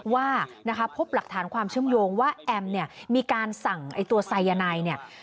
ว่าพบหลักฐานความชมโยงว่าแอมม์เนี่ยมีการสั่งตัวไซยาไนเนี่ย